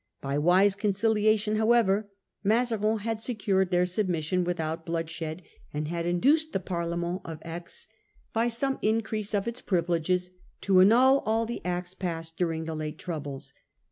By wise conciliation however Mazarin had Behaviour securec * their submission without bloodshed, of the and had induced the Parlement of Aix, by provinces. some increase of its privileges, to annul all the acts passed during the late troubles.